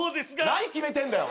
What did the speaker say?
何決めてんだよ。